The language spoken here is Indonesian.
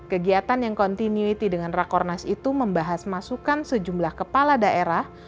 kegiatan yang continuity dengan rakornas itu membahas masukan sejumlah kepala daerah